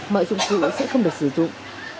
mọi dụng cửa sẽ không được sử dụng